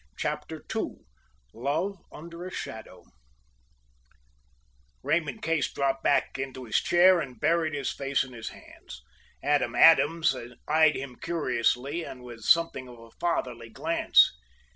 CHAPTER II LOVE UNDER A SHADOW Raymond Case dropped back into his chair and buried his face in his hands. Adam Adams eyed him curiously and with something of a fatherly glance.